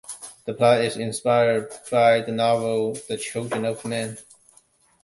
Its plot is inspired by the novel "The Children of Men".